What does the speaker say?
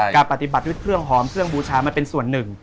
การปฏิบัติด้วยเครื่องหอมเครื่องบูชามันเป็นส่วนหนึ่ง